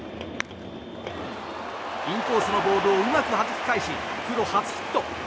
インコースのボールをうまくはじき返しプロ初ヒット。